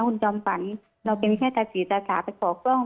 หุ่นจอมฝันเราก็เป็นแค่รัฐสีตาศาสน์ไปขอก้อง